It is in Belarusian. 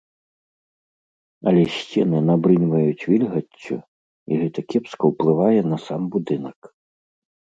Але сцены набрыньваюць вільгаццю і гэта кепска ўплывае на сам будынак.